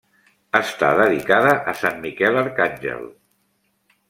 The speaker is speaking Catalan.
Està dedicada a Sant Miquel Arcàngel.